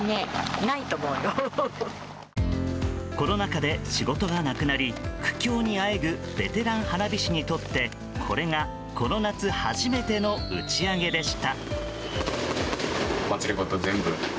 コロナ禍で仕事がなくなり苦境にあえぐベテラン花火師にとってこれがこの夏初めての打ち上げでした。